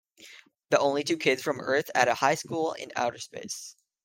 The only two kids from Earth at a high school in outer space!